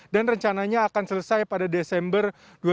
dan rencananya akan selesai pada desember dua ribu dua puluh